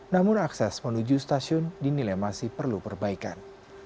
namun akses menuju stasiun dinilai masih perlu perbaikan